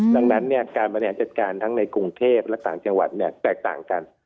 ดังนั้นการบริหารจัดการทั้งในกรุงเทพและต่างจังหวัดแตกต่างกัน